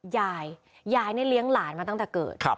ยายยายนี่เลี้ยงหลานมาตั้งแต่เกิด